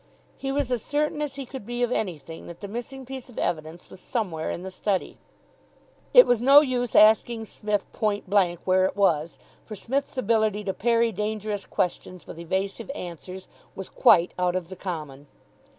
He was as certain as he could be of anything that the missing piece of evidence was somewhere in the study. It was no use asking Psmith point blank where it was, for Psmith's ability to parry dangerous questions with evasive answers was quite out of the common.